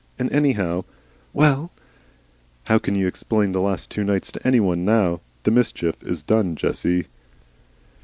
And anyhow " "Well?" "How CAN you explain the last two nights to anyone now? The mischief is done, Jessie."